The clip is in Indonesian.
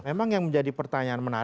memang yang menjadi pertanyaan menarik